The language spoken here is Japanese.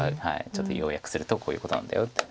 「ちょっと要約するとこういうことなんだよ」って。